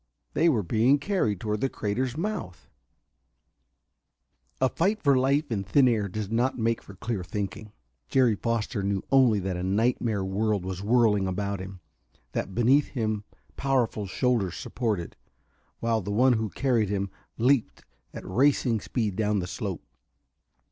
They were being carried toward the crater's mouth.... A fight for life in thin air does not make for clear thinking. Jerry Foster knew only that a nightmare world was whirling about him; that beneath him powerful shoulders supported, while the one who carried him leaped at racing speed down the slope.